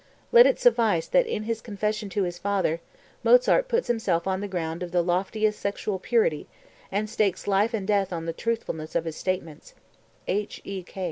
Let it suffice that in his confession to his father Mozart puts himself on the ground of the loftiest sexual purity, and stakes life and death on the truthfulness of his statements. H.E.